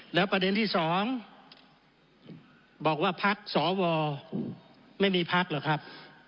แล้วประเด็นที่สองบอกว่าภักดิ์สวไม่มีภักดิ์เหรอครับ